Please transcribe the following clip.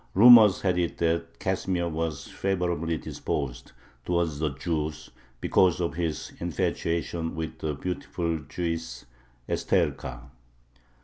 Rumor had it that Casimir was favorably disposed towards the Jews because of his infatuation with the beautiful Jewess Estherka.